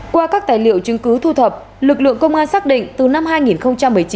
qua các tài liệu chứng cứ thu thập lực lượng công an xác định từ năm hai nghìn một mươi chín